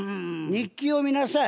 日記読みなさい。